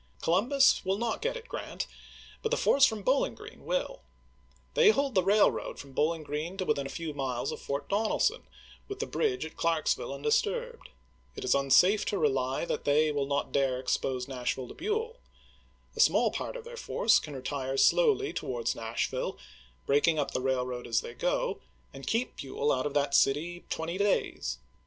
Columbus will not get at G rant, but the force from Bowling Green will. They hold the railroad from Bowling Green to within a few miles of Fort Donelson, with the bridge at Clarksville undisturbed. It is unsafe to rely that they will not dare to expose Nashville to Buell. A small part of their force can retire slowly towards Nashville, break ing up the railroad as they go, and keep Buell out of that city twenty days.